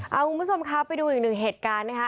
เอาคุณผู้ชมครับไปดูอีกหนึ่งเหตุการณ์นะคะ